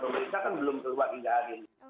peraturan pemerintah kan belum terbuat hingga hari ini